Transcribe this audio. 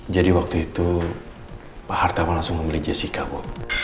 jadi waktu itu pak hartawan langsung ngomongin jessica bu